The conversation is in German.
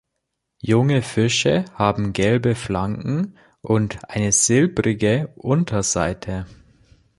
Junge Fische haben gelbe Flanken und eine silbrige Unterseite.